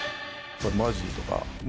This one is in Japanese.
マジーとかね